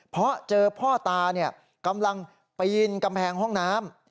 เพราะเจอพ่อตากำลังปีนกำแพงห้องน้ำ